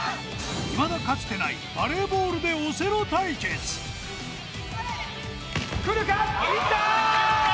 いまだかつてないバレーボールでくるか！？いった！